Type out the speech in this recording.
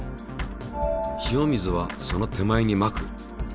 塩水はその手前にまく。